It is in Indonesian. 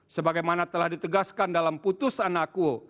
sebagaimana telah ditegaskan dalam putusan akuo